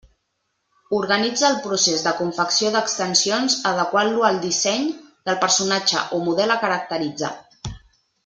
Organitza el procés de confecció d'extensions adequant-lo al disseny del personatge o model a caracteritzar.